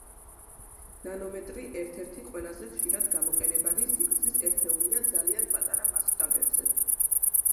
ნანომეტრი ერთ-ერთი ყველაზე ხშირად გამოყენებადი სიგრძის ერთეულია ძალიან პატარა მასშტაბებზე.